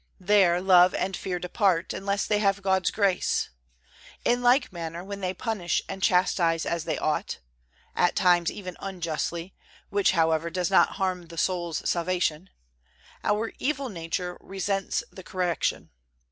There love and fear depart, unless they have God's grace. In like manner, when they punish and chastise, as they ought (at times even unjustly, which, however, does not harm the soul's salvation), our evil nature resents the correction.